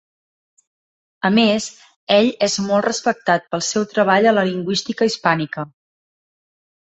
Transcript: A més, ell és molt respectat pel seu treball a la lingüística hispànica.